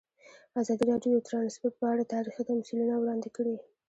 ازادي راډیو د ترانسپورټ په اړه تاریخي تمثیلونه وړاندې کړي.